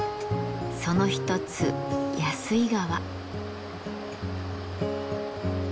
その一つ安居川。